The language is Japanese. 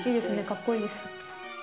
かっこいいです。